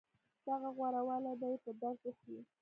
دغه غوره والی به يې په درد وخوري.